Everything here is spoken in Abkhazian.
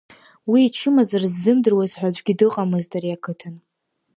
Уи ичымазара ззымдыруаз ҳәа аӡәгьы дыҟаӡамызт ари ақыҭан.